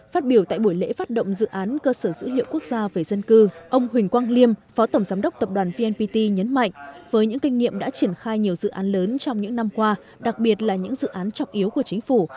phát biểu tại buổi lễ phát động dự án cơ sở dữ liệu quốc gia về dân cư ông huỳnh quang liêm phó tổng giám đốc tập đoàn vnpt nhấn mạnh với những kinh nghiệm đã triển khai nhiều dự án lớn trong những năm qua đặc biệt là những dự án trọng yếu của chính phủ